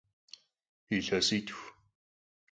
Yilhesitxu.